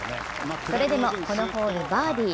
それでもこのホール、バーディー。